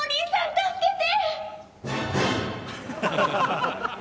助けて！